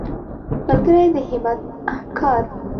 ملګری د همت همکار وي